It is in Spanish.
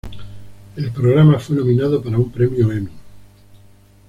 El programa fue nominado para un premio Emmy.